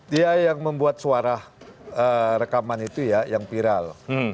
dia yang membuat suara rekaman itu ya yang viral